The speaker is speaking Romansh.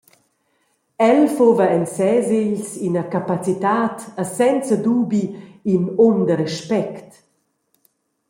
El fuva en ses egls ina capacitad e senza dubi in um da respect.